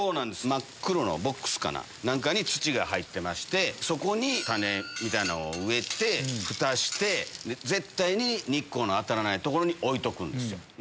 真っ黒のボックスか何かに土が入ってましてそこに種みたいなんを植えてフタして絶対に日光の当たらない所に置いておくんですよ。